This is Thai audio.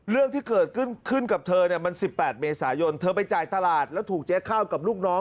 เรื่องที่เกิดขึ้นขึ้นกับเธอเนี่ยมัน๑๘เมษายนเธอไปจ่ายตลาดแล้วถูกเจ๊ข้าวกับลูกน้อง